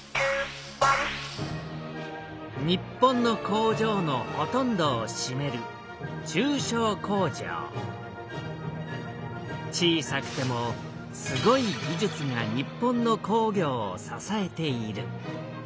日本の工場のほとんどをしめる中小工場小さくてもすごい技術が日本の工業を支えている。